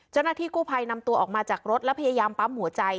เจ้าหน้าที่กู้ภัยนำตัวออกมาจากรถแล้วพยายามปั๊มหัวใจ